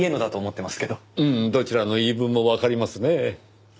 うんどちらの言い分もわかりますねぇ。